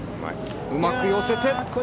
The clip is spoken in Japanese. うまく寄せて。